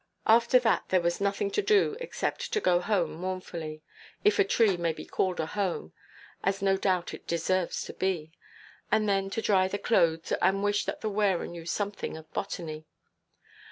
After that there was nothing to do, except to go home mournfully—if a tree may be called a home, as no doubt it deserves to be—and then to dry the clothes, and wish that the wearer knew something of botany.